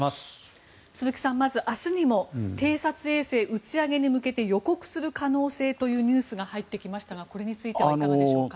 鈴木さん、まず明日にも偵察衛星打ち上げに向けて予告する可能性というニュースが入ってきましたがこれについてはいかがでしょうか。